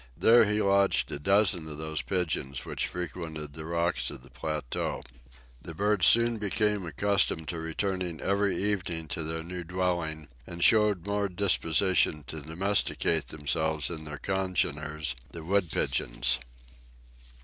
There he lodged a dozen of those pigeons which frequented the rocks of the plateau. These birds soon became accustomed to returning every evening to their new dwelling, and showed more disposition to domesticate themselves than their congeners, the wood pigeons.